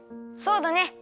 そうだね。